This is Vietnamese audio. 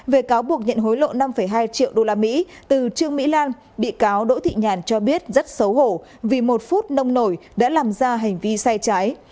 về cáo buộc nhận hối lộ năm hai triệu usd từ trương mỹ lan bị cáo đỗ thị nhàn cho biết rất xấu hổ vì một phút nông nổi đã làm ra hành vi sai trái